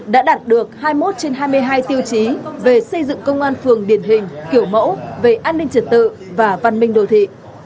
đã đạt được hai mươi một trên hai mươi hai tiêu chí về xây dựng công an phường điển hình kiểu mẫu về an ninh trật tự và văn minh đồ thị